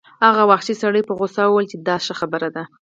هغه وحشي سړي په غوسه وویل چې دا ښه خبره ده